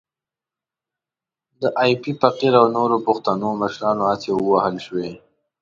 د ایپي فقیر او نورو پښتنو مشرانو هڅې ووهل شوې.